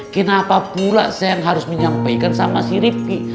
kenapa pula saya yang harus menyampaikan sama si riki